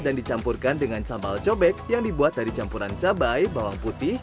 dan dicampurkan dengan sambal cobek yang dibuat dari campuran cabai bawang putih